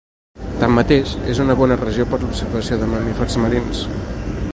Tanmateix, és una bona regió per a l'observació de mamífers marins.